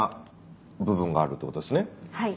はい。